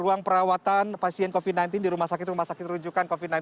ruang perawatan pasien covid sembilan belas di rumah sakit rumah sakit rujukan covid sembilan belas